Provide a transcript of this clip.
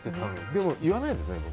でも言わないですね。